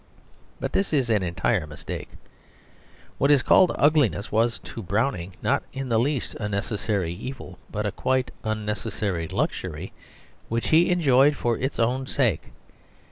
But this is an entire mistake. What is called ugliness was to Browning not in the least a necessary evil, but a quite unnecessary luxury, which he enjoyed for its own sake.